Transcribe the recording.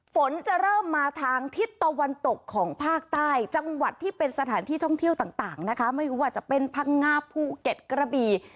ฝนจะเริ่มมาทางทิศตะวันตกของภาคใต้จังหวัดที่เป็นสถานที่ท่องเที่ยวต่างนะคะไม่ว่าจะเป็นพังงาภูเก็ตกระบี่